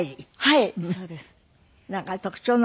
はい。